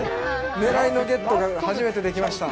狙いのゲットが初めてできました。